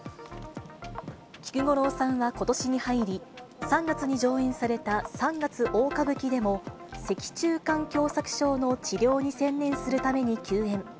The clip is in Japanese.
菊五郎さんはことしに入り、３月に上演された三月大歌舞伎でも、脊柱管狭窄症の治療に専念するために休演。